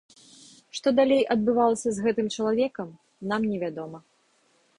Што далей адбывалася з гэтым чалавекам, нам не вядома.